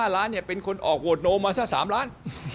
๕ล้านเป็นคนออกโหวตโนมาสัก๓ล้าน